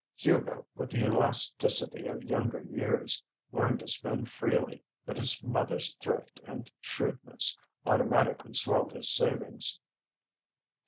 Hugo, with the elasticity of younger years, learned to spend freely, but his mother's thrift and shrewdness automatically swelled his savings.